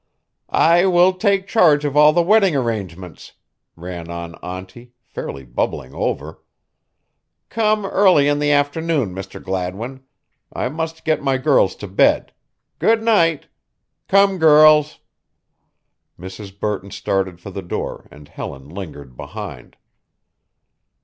"I will take charge of all the wedding arrangements," ran on Auntie, fairly bubbling over. "Come early in the afternoon, Mr. Gladwin. I must get my girls to bed. Good night come, girls." Mrs. Burton started for the door and Helen lingered behind.